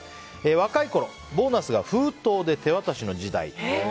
若いころ、ボーナスが封筒で手渡しの時代